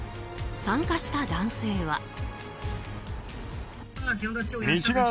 参加した男性は。